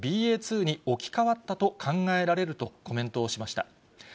．２に置き換わったと考えられるとコメントをしました。